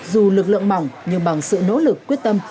dù lực lượng mỏng nhưng bằng sự nỗ lực quyết tâm